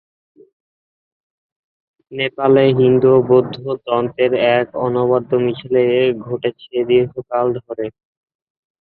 নেপালে হিন্দু ও বৌদ্ধ তন্ত্রের এক অনবদ্য মিশেল ঘটেছে দীর্ঘকাল ধরে।